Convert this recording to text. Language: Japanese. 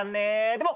でも。